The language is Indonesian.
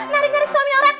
narik narik suami orang